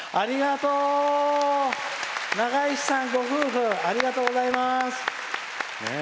ながいしさんご夫婦ありがとうございます。